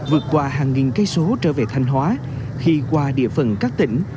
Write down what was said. vượt qua hàng nghìn cây số trở về thanh hóa khi qua địa phần các tỉnh